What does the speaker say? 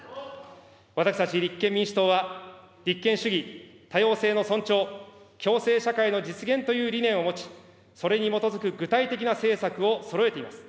私たち立憲民主党は、立憲主義、多様性の尊重、共生社会の実現という理念を持ち、それに基づく具体的な政策をそろえています。